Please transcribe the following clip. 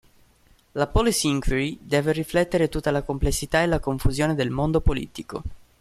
La "policy inquiry" deve riflettere tutta la complessità e la confusione del mondo politico.